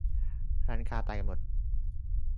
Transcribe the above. ร้านค้าตายหมด